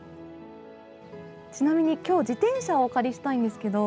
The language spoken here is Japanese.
ちなみに今日、自転車をお借りしたいんですけど。